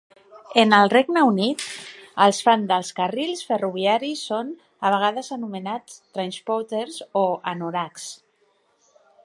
En el Regne Unit, els fans dels carrils ferroviaris son a vegades anomenats "trainspotters" o "anoraks".